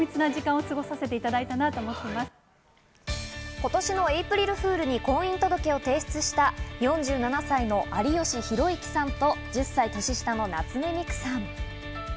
今年のエイプリルフールに婚姻届を提出した、４７歳の有吉弘行さんと１０歳年下の夏目三久さん。